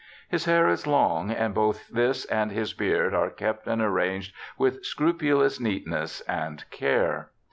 His hair is long, and both this and his beard are kept and arranged with scrupulous neatness and care.